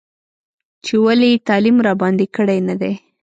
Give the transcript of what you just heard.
چې ولې یې تعلیم راباندې کړی نه دی.